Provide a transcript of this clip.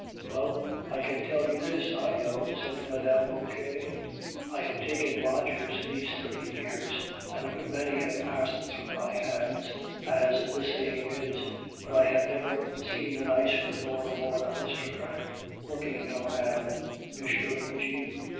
"Well, I can tell you this, I know," said Mme. Vauquer, "I have taken lodgers these thirty years, and a good many have passed through my hands, as the saying is, but I have never seen a nicer nor a more aristocratic looking young man than M. Eugene.